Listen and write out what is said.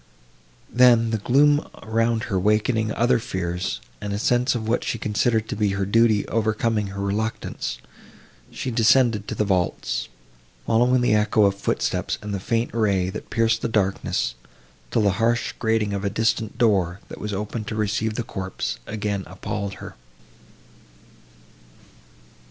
Then, the gloom around her awakening other fears, and a sense of what she considered to be her duty overcoming her reluctance, she descended to the vaults, following the echo of footsteps and the faint ray, that pierced the darkness, till the harsh grating of a distant door, that was opened to receive the corpse, again appalled her.